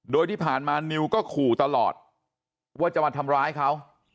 โดยที่ผ่านมานิวก็ขู่ตลอดว่าจะมาทำร้ายเขา